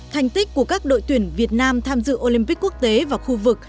thành tích của các đội tuyển việt nam tham dự olympic quốc tế và khu vực